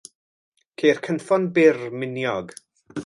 Ceir cynffon byr, miniog.